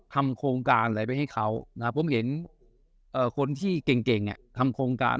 ทำโครงการไหนไปให้เขาผมเห็นคนที่เก่งน่ะทำโครงการ